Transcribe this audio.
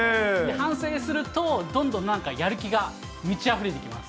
反省すると、どんどんなんかやる気が満ちあふれてきます。